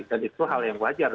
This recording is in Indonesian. dan itu hal yang wajar